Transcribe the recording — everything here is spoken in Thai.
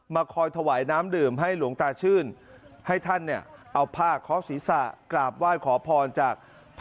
คอยถวายน้ำดื่มให้หลวงตาชื่นให้ท่านเนี่ยเอาผ้าเคาะศีรษะกราบไหว้ขอพรจากพระ